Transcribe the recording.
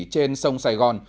trên sông sài gòn